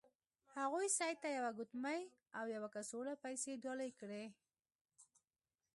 هغوی سید ته یوه ګوتمۍ او یوه کڅوړه پیسې ډالۍ کړې.